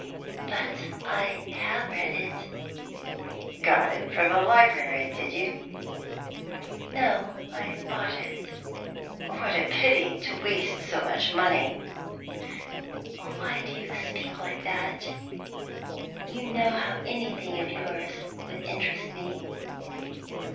"But I have read it." "Got it from the library, did you?" "No; I bought it." "What a pity to waste so much money!" "Why do you speak like that? You know how anything of yours would interest me."